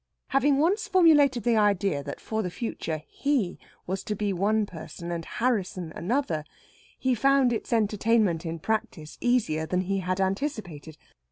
Having once formulated the idea that for the future he was to be one person and Harrisson another, he found its entertainment in practice easier than he had anticipated.